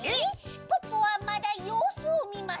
ポッポはまだようすをみます。